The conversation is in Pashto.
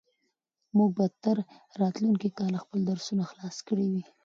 موږ به تر راتلونکي کاله خپل درسونه خلاص کړي وي.